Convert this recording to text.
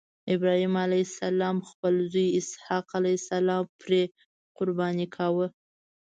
ابراهیم علیه السلام خپل زوی اسحق علیه السلام پرې قرباني کاوه.